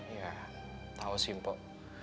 iya tau sih mpok